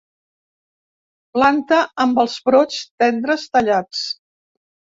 Planta amb els brots tendres tallats.